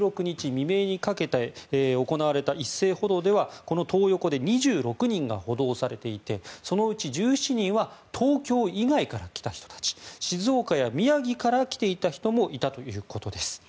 未明にかけて行われた一斉補導では、このトー横で２６人が補導されていてそのうち１７人は東京以外から来た人たち静岡や宮城から来ていた人もいたということです。